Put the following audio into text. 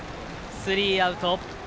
スリーアウト。